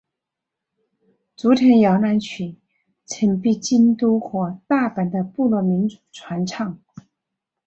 竹田摇篮曲曾被京都和大阪的部落民传唱。